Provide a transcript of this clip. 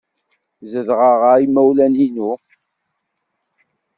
Zedɣeɣ ɣer yimawlan-inu.